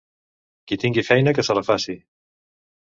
Qui tingui feina que se la faci.